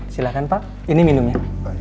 silahkan pak ini minumnya